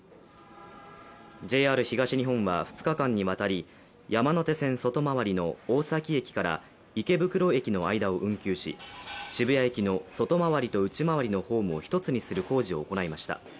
ＪＲ東日本は２日間にわたり山手線外回りの大崎駅から池袋駅の間を運休し渋谷駅の外回りと内回りのホームを一つにする工事を行いました。